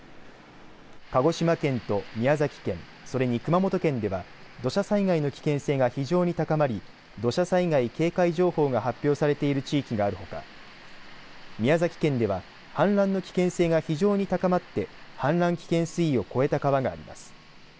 鹿児島県と宮崎県それに熊本県では土砂災害の危険性が非常に高まり土砂災害警戒情報が発表されている地域があるほか宮崎県では氾濫の危険性が非常に高まって氾濫危険水位を超えた川があります。